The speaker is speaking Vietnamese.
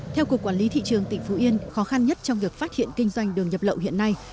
theo cục quản lý thị trường tỉnh phú yên khó khăn nhất trong việc phát hiện kinh doanh đường nhập lậu hiện nay